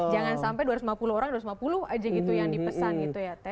jangan sampai dua ratus lima puluh orang dua ratus lima puluh aja gitu yang dipesan gitu ya